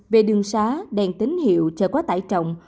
về đường xá đèn tín hiệu chở quá tải trọng